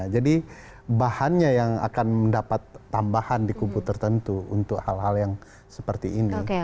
jadi bahannya yang akan mendapat tambahan di kubur tertentu untuk hal hal yang seperti ini